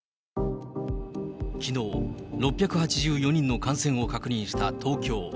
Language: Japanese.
きのう、６８４人の感染を確認した東京。